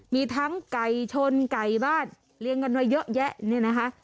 มีทั้งไก่ชนไก่บ้านเลี้ยงกันไว้เยอะแยะเนี่ยนะคะ